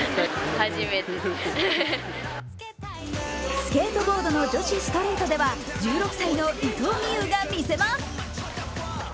スケートボードの女子ストリートでは１６歳の伊藤美優が見せます。